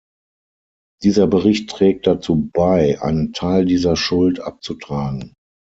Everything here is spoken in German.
Dieser Bericht trägt dazu bei, einen Teil dieser Schuld abzutragen.